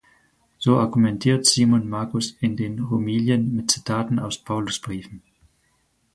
So argumentiert Simon Magus in den "Homilien" mit Zitaten aus Paulusbriefen.